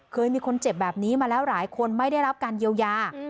เคยมีคนเจ็บแบบนี้มาแล้วหลายคนไม่ได้รับการเยียวยา